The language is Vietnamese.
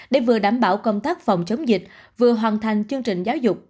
để vừa đảm bảo công tác phòng chống dịch vừa hoàn thành chương trình giáo dục